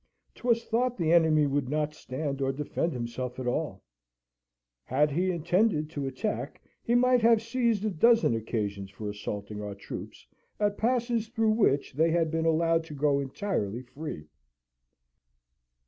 'Twas thought the enemy would not stand or defend himself at all. Had he intended to attack, he might have seized a dozen occasions for assaulting our troops at passes through which they had been allowed to go entirely free.